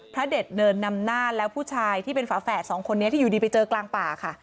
เด็ดเดินนำหน้าแล้วผู้ชายที่เป็นฝาแฝดสองคนนี้ที่อยู่ดีไปเจอกลางป่าค่ะ